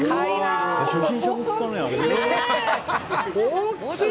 大きい！